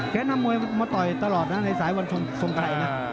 แค่นั้นมวยมาต่อยตลอดน่ะในสายวันทรงไข่น่ะเออ